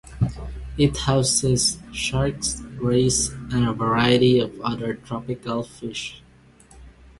It houses sharks, rays, and a variety of other tropical fish.